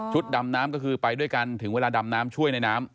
ดำน้ำก็คือไปด้วยกันถึงเวลาดำน้ำช่วยในน้ำ